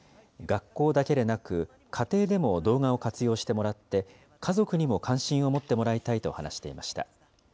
学校だけでなく、家庭でも動画を活用してもらって、家族にも関心を持ってもらいたいと話していました。